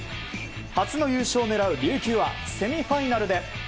初の優勝を狙う琉球はセミファイナルで。